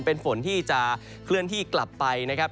เป็นฝนที่จะเคลื่อนที่กลับไปนะครับ